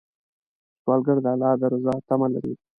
سوالګر د الله د رضا تمه لري